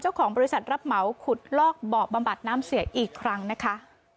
เจ้าของบริษัทรับเหมาขุดลอกเบาะบำบัดน้ำเสียอีกครั้งนะคะ